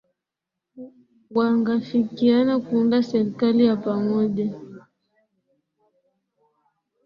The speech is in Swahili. wangafikiana kuunda serikali ya pamoja